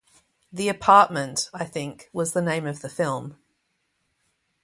"The Apartment", I think, was the name of the film.